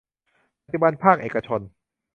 ปัจจุบันภาคเอกชน